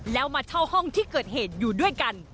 แล้วมาเช่าห้องที่เกิดเหตุอยู่ด้วยกัน